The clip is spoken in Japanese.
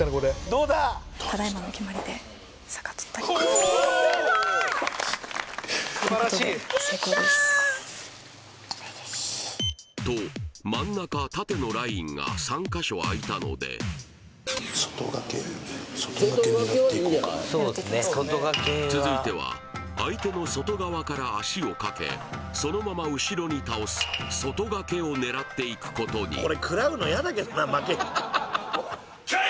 ありがとうございますと真ん中縦のラインが３カ所開いたので外掛け続いては相手の外側から足をかけそのまま後ろに倒す外掛けを狙っていくことにはっけよい！